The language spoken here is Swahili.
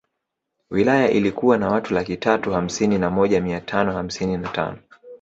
Wilaya ilikuwa na watu laki tatu hamsini na moja mia tano hamsini na tano